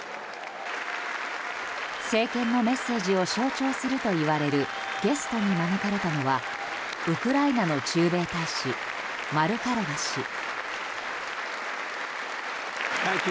政権のメッセージを象徴するといわれるゲストに招かれたのはウクライナの駐米大使マルカロワ氏。